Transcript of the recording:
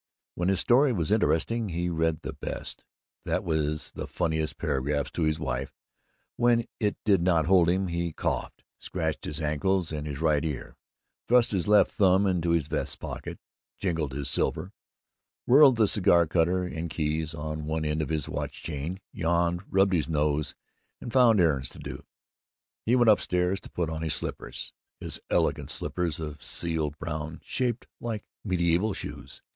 When his story was interesting he read the best, that is the funniest, paragraphs to his wife; when it did not hold him he coughed, scratched his ankles and his right ear, thrust his left thumb into his vest pocket, jingled his silver, whirled the cigar cutter and the keys on one end of his watch chain, yawned, rubbed his nose, and found errands to do. He went upstairs to put on his slippers his elegant slippers of seal brown, shaped like medieval shoes.